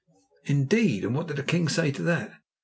'" "Indeed! And what did the king say to that?"